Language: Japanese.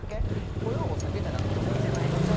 これはお酒じゃないと思います。